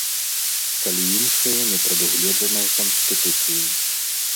Калі іншае не прадугледжана Канстытуцыяй.